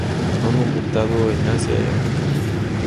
Han aumentado en Asia y África.